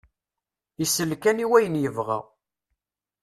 Isell kan i wyen yebɣa.